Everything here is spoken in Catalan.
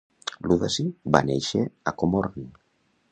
Ludassy va néixer a Komorn.